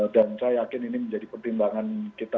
dan saya yakin ini menjadi pertimbangan kita